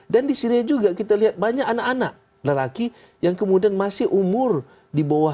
dan di syria juga kita lihat banyak anak anak lelaki yang kemudian masih umur ya berpengalaman